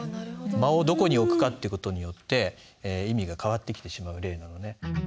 間をどこに置くかっていう事によって意味が変わってきてしまう例なのね。